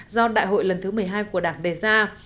do đại hội lần thứ một mươi hai của đảng đề ra